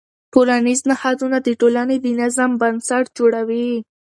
ټولنیز نهادونه د ټولنې د نظم بنسټ جوړوي.